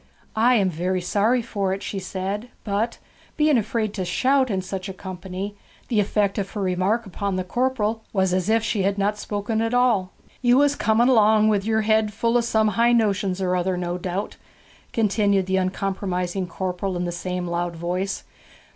'I am very sorry for it,' she said; but, being afraid to shout in such a company, the effect of her remark upon the corporal was as if she had not spoken at all. 'You was coming along with yer head full of some high notions or other no doubt,' continued the uncompromising corporal in the same loud voice.